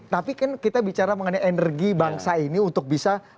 tapi kan kita bicara mengenai energi bangsa ini untuk bisa